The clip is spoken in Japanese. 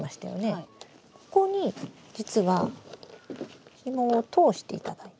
ここに実はひもを通していただいて。